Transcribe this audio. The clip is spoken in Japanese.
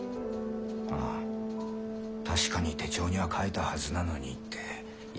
あぁ確かに手帳には書いたはずなのにって言ってたな。